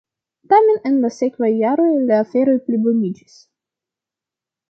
Tamen en la sekvaj jaroj la aferoj pliboniĝis.